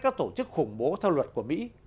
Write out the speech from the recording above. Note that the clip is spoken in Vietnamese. các tổ chức khủng bố theo luật của mỹ